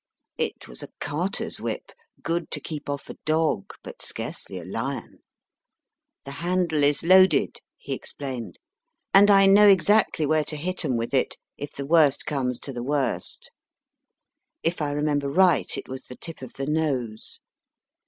It was a carter s whip, good to keep off a dog, but scarcely a lion. The handle is loaded, he explained, and I know exactly where to hit em with it, if MR. PAYN S STUDY the worst comes to the worst. If I remember right, it was the tip of the nose.